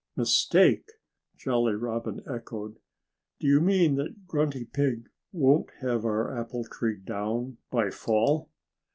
"Mistake!" Jolly Robin echoed. "Do you mean that Grunty Pig won't have our apple tree down by fall?"